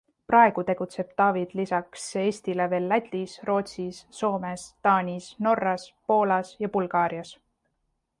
Praegu tegutseb Tavid lisaks Eestile veel Lätis, Rootsis, Soomes, Taanis, Norras, Poolas ja Bulgaarias.